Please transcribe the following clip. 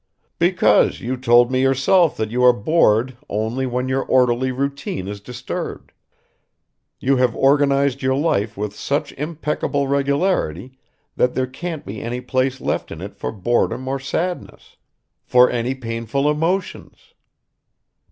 "Because you told me yourself that you are bored only when your orderly routine is disturbed. You have organized your life with such impeccable regularity that there can't be any place left in it for boredom or sadness ... for any painful emotions."